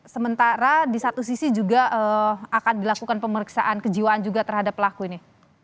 sementara di satu sisi juga akan dilakukan pemeriksaan kejiwaan juga terhadap pelaku ini